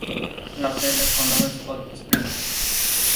La sede del condado es Hot Springs.